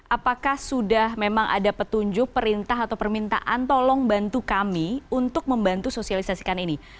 apakah sudah memang ada petunjuk perintah atau permintaan tolong bantu kami untuk membantu sosialisasikan ini